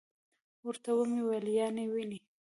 ورته ومي ویل: یا نې وینې .